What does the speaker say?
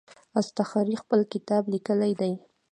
اصطخري خپل کتاب لیکلی دی.